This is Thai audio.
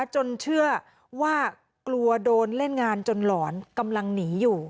จนเชื่อว่ากลัวโดนเล่นงานจนหลอนกำลังหนีอยู่